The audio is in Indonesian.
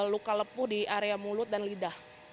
luka lepuh di area mulut dan lidah